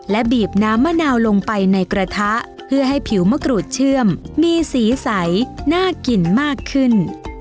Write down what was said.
และบีบน้ำมะนาวลงไปในกระทะเพื่อให้ผิวมะกรูดเชื่อมมีสีใสน่ากินมากขึ้น